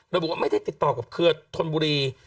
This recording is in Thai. ระบุว่าไม่ได้ติดต่อกับเครือธนบุรี